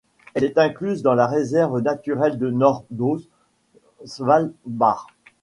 Elle est incluse dans la réserve naturelle de Nordaust-Svalbard.